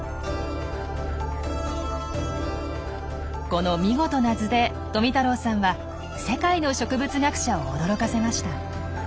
この見事な図で富太郎さんは世界の植物学者を驚かせました。